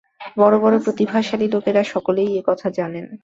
বড় বড় প্রতিভাশালী লোকেরা সকলেই এ-কথা জানেন।